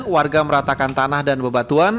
warga meratakan tanah dan bebatuan